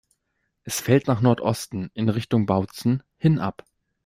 Es fällt nach Nordosten, in Richtung Bautzen, hin ab.